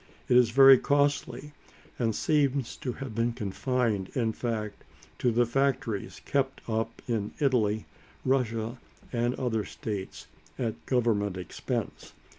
It is very costly, and seems to have been confined, in fact, to the factories kept up in Italy, Russia, and other states, at government expense.